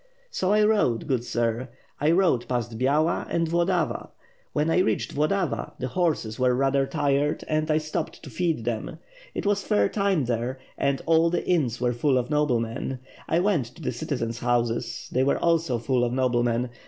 So I rode, good sir; I rode past Byala and Vlodava. When I reached Vlodava, the horses were rather tired and I stopped to feed them. It was fair time there, and all the inns were full of noblemen. I went to the citizens' houses, they were also full of noblemen.